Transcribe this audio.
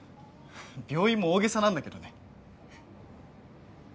病院も大げさなんだけどね。